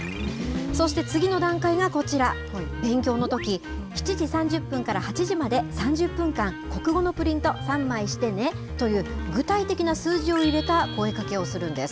そして、次の段階がこちら、勉強のとき、７時３０分から８時まで３０分間、国語のプリント３枚してねという、具体的な数字を入れた声かけをするんです。